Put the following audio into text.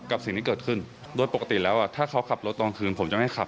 กับสิ่งที่เกิดขึ้นโดยปกติแล้วถ้าเขาขับรถตอนคืนผมจะไม่ขับ